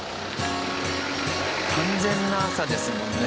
完全な朝ですもんね。